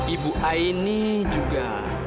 ibu aini juga